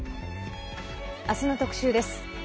あすの特集です。